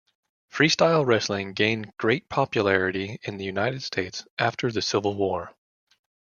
Freestyle wrestling gained great popularity in the United States after the Civil War.